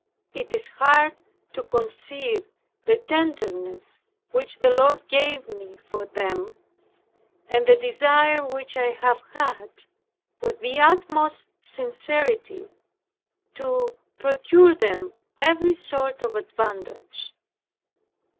It is hard to conceive the tenderness which the Lord gave me for them, and the desire which I have had, with the utmost sincerity, to procure them every sort of advantage.